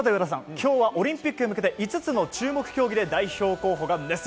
今日はオリンピックへ向けて５つの注目競技で代表候補が熱戦。